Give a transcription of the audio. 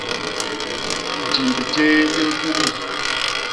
Jimb jé li ñkubi.